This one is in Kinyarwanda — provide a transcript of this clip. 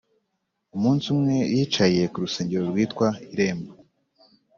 Umunsi umwe yicaye ku rusengero rwitwa irembo